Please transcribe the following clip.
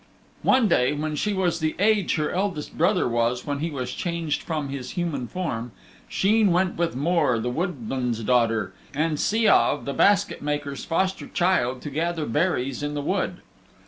One day, when she was the age her eldest brother was when he was changed from his human form, Sheen went with Mor, the Woodman's daughter, and Siav, the basket maker's foster child, to gather berries in the wood.